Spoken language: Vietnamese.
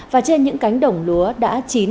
và trên những cánh đồng lúa đã chín